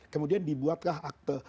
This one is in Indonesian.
kemudian dibuatlah akte